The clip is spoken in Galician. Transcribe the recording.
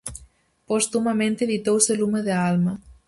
Postumamente editouse "Lume da alma".